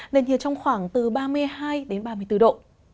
nên như trong khoảng từ ba mươi hai đến ba mươi bốn độ